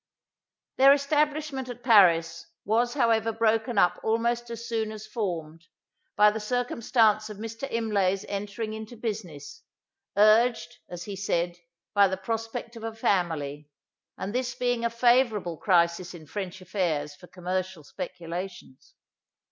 Their establishment at Paris, was however broken up almost as soon as formed, by the circumstance of Mr. Imlay's entering into business, urged, as he said, by the prospect of a family, and this being a favourable crisis in French affairs for commercial speculations.